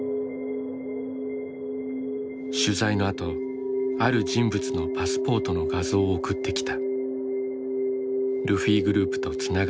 取材のあとある人物のパスポートの画像を送ってきた。